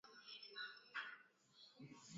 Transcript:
wanashauriwa kumeza vidonge vya kinga ya malaria